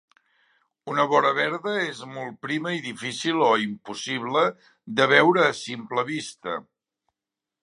Una vora verda és molt prima i difícil o impossible de veure a simple vista.